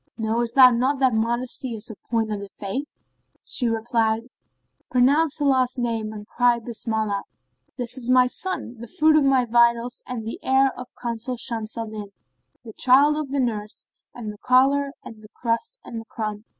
Knowest thou not that modesty is a point of the Faith?" She replied, "Pronounce Allah's name[FN#32] and cry Bismillah! this is my son, the fruit of my vitals and the heir of Consul Shams al Din, the child of the nurse and the collar and the crust and the crumb."